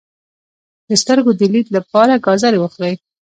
د سترګو د لید لپاره ګازرې وخورئ